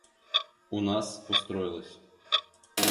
У нас устроилось.